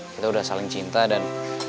kita udah saling cinta dan